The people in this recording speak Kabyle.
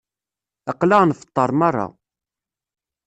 Aql-aɣ nfeṭṭer merra.